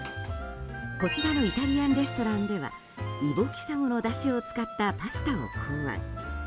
こちらのイタリアンレストランではイボキサゴのだしを使ったパスタを考案。